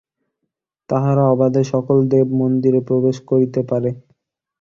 তাহারা অবাধে সকল দেবমন্দিরে প্রবেশ করিতে পারে।